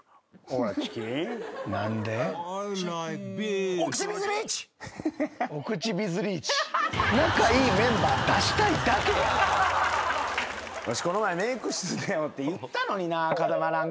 わしこの前メーク室で会うて言ったのにな。